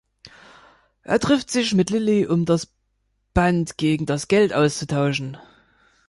Er trifft sich mit Lilly, um das Band gegen das Geld auszutauschen.